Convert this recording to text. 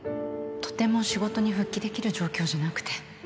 とても仕事に復帰できる状況じゃなくて